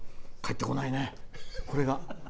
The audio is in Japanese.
帰ってこないね、これが。